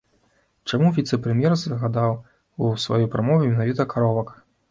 Чаму віцэ-прэм'ер згадаў у сваёй прамове менавіта каровак?